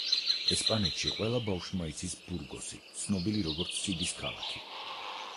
ესპანეთში ყველა ბავშვმა იცის ბურგოსი ცნობილი, როგორც სიდის ქალაქი.